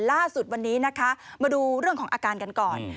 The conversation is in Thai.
ล่าสุดวันนี้นะคะมาดูเรื่องของอาการกันก่อน